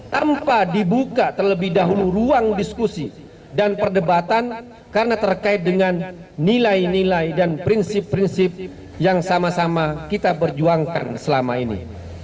tanpa dibuka terlebih dahulu ruang diskusi dan perdebatan karena terkait dengan nilai nilai dan prinsip prinsip yang sama sama kita berjuangkan selama ini